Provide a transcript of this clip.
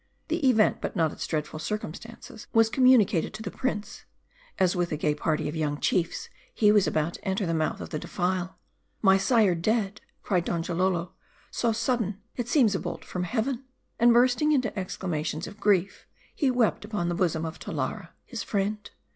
The event, but not its dreadful circumstances, was com municated to the prince ; as with a gay party of young chiefs, he was about to enter the mouth of the defile. " My sire dead !" cried Donjalolo. " So sudden, it seems a bolt from Heaven." And bursting into exclamations of grief, he wept upon the bosom of Talara his friend.